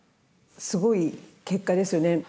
すごい結果ですよね。